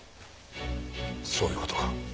そういう事か。